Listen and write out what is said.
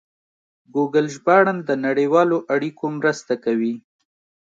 ګوګل ژباړن د نړیوالو اړیکو مرسته کوي.